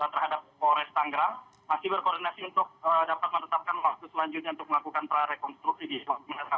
terhadap polres tanggerang masih berkoordinasi untuk dapat menetapkan waktu selanjutnya untuk melakukan prarekonstruksi di